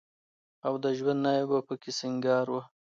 او د ژوند ناوې به په کې سينګار وه.